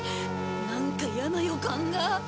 なんか嫌な予感が。